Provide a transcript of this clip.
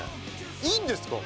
いいんですか？